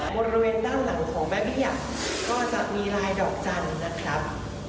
บริเวณด้านหลังของแม่เบี้ยก็จะมีลายดอกจันทร์นะครับ